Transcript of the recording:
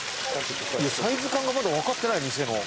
サイズ感がまだわかってない店の。